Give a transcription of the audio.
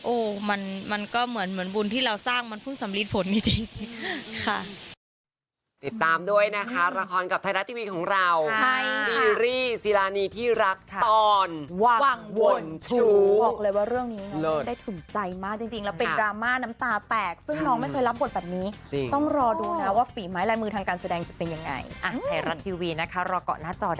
โอ้โหมันก็เหมือนบุญที่เราสร้างมันเพิ่งสำลิดผลไม่จริงค่ะ